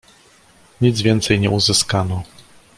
"Nic więcej nie uzyskano."